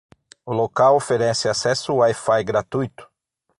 O local oferece acesso Wi-Fi gratuito?